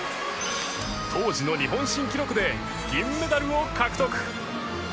当時の日本新記録で銀メダルを獲得